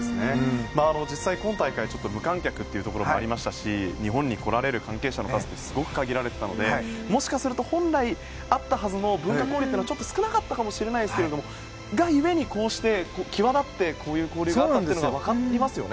実際、今大会無観客というところもありましたし日本に来られる関係者の数ってすごく限られていたのでもしかすると本来あったはずの文化交流はちょっと少なかったかもしれないですが故に、際立ってこういう交流があったんだって分かりますよね。